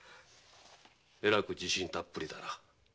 えらく自信たっぷりだな。